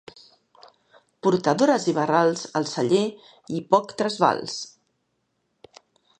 Portadores i barrals, al celler i poc trasbals.